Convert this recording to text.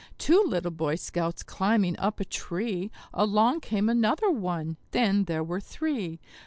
Two little Boy Scouts climbing up a tree; Along came another one then there were three.